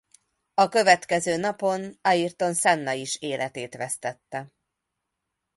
A következő napon Ayrton Senna is életét vesztette.